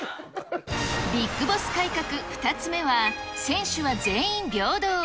ビッグボス改革、２つ目は、選手は全員平等！